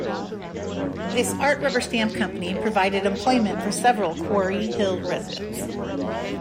This art rubber stamp company provided employment for several Quarry Hill residents.